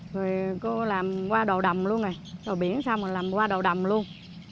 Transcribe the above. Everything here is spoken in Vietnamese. rồi cô làm qua đồ đầm luôn rồi đồ biển xong rồi làm qua đồ đầm luôn